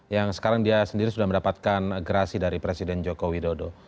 yang sekarang dia sendiri sudah mendapatkan gerasi dari presiden joko widodo